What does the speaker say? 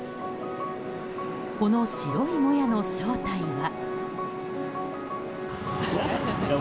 この白いもやの正体は。